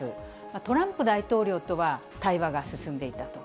トランプ大統領とは対話が進んでいたと。